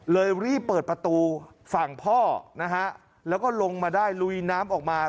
รีบเปิดประตูฝั่งพ่อนะฮะแล้วก็ลงมาได้ลุยน้ำออกมา